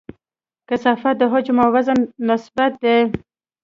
کثافت د حجم او وزن نسبت دی.